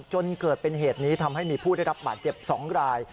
จนเกิดเป็นเหตุนี้ทำให้มีผู้ได้รับบาดเจ็บ๒ราย